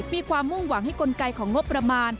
มีความมุ่งหวังให้กลไกของงบประมาณ